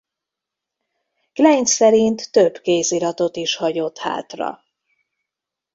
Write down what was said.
Klein szerint több kéziratot is hagyott hátra.